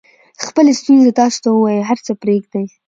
خپلې ستونزې تاسو ته ووایي هر څه پرېږدئ.